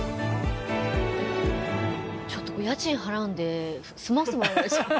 ちょっとお家賃払うんで住ませてもらえないですか。